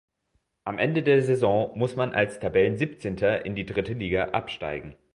Am Ende der Saison musste man als Tabellensiebzehnter in die dritte Liga absteigen.